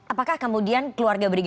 apakah kemudian keluarga berigasi